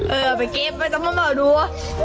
เออไปเก็บไปต้องมาดู